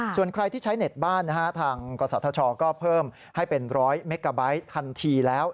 ส่วนใครที่ใช้เน็ตบ้านทางกศธชก็เพิ่มให้เป็นร้อยเมกาไบท์ทันทีแล้ว